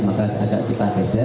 maka agar kita geser